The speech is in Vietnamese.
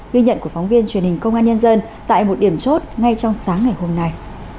ghi nhận của phóng viên truyền hình công an nhân dân tại một điểm chốt ngay trong sáng ngày hôm nay